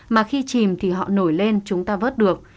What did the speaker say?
mà khi chìm thì họ nổi lên chúng ta vớt được